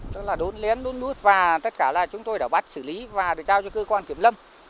tức là đốn lén đốn nút và tất cả chúng tôi đã bắt xử lý và được trao cho cơ quan kiếm lâm